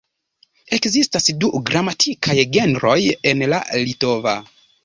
Ekzistas du gramatikaj genroj en la litova.